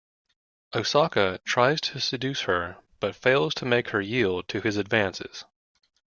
Osaka tries to seduce her but fails to make her yield to his advances.